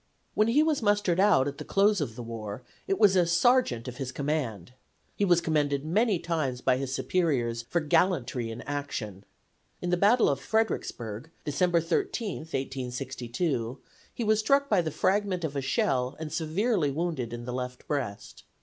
When he was mustered out at the close of the war it was as sergeant of his command. He was commended many times by his superiors for gallantry in action. In the battle of Fredericksburg, December 13, 1862, he was struck by the fragment of a shell and severely wounded in the left breast.